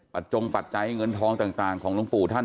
จงปัจจัยเงินทองต่างของหลวงปู่ท่าน